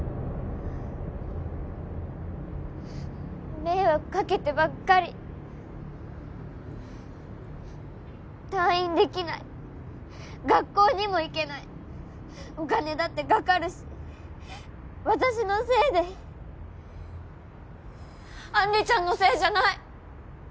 迷惑かけてばっかり退院できない学校にも行けないお金だってかかるし私のせいで杏里ちゃんのせいじゃない！